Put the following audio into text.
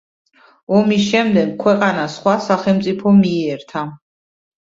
ომის შემდეგ, ქვეყანა სხვა სახელმწიფომ მიიერთა.